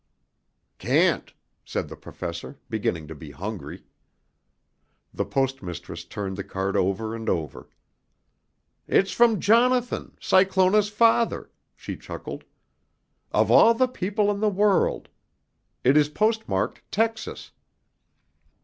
"Can't," said the Professor, beginning to be hungry. The Post Mistress turned the card over and over. "It's from Jonathan, Cyclona's father," she chuckled. "Of all the people in the world! It is post marked Texas."